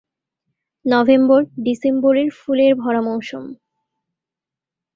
November December এর ফুলের ভরা মৌসুম।